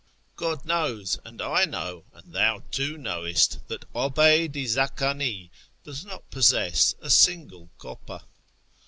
" "Goil knows, and I know, and thou too knowest, That 'Obeyd i Z;ik; uu does not possess a single copper